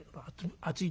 暑い